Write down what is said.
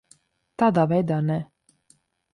Tādā veidā ne.